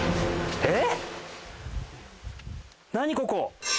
えっ！？